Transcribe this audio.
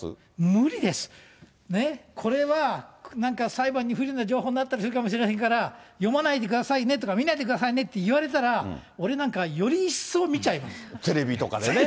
無理です。ね、これはなんか、裁判に不利な情報になったりするかもしれないから読まないでくださいね、見ないでくださいねって言われたら、俺なんかは、より一テレビとかでね。